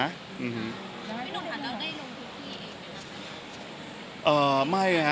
พี่นุ่มผ่านแล้วได้นุ่มทุกที่อีกหรือ